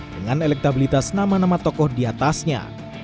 dengan elektabilitas nama nama tokoh di atasnya